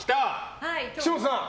岸本さん。